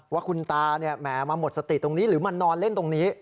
ว่าคุณตาแหมมาหมดสติตรงนี้หรือมานอนเล่นตรงนี้